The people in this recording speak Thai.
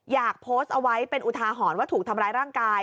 อยากโพสต์เอาไว้เป็นอุทาหรณ์ว่าถูกทำร้ายร่างกาย